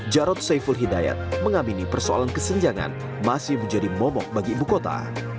jarod saiful hidayat mengamini persoalan kesenjangan masih menjadi momok bagi ibu kota